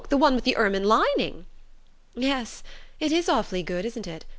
the one with the ermine lining...." "Yes; it is awfully good, isn't it?